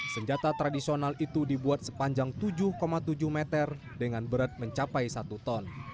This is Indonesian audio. senjata tradisional itu dibuat sepanjang tujuh tujuh meter dengan berat mencapai satu ton